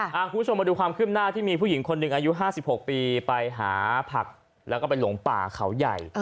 คุณผู้ชมมาดูความขึ้นหน้าที่มีผู้หญิงคนหนึ่งอายุ๕๖ปีไปหาผักแล้วก็ไปหลงป่าเขาใหญ่